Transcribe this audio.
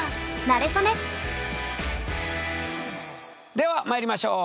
ではまいりましょう！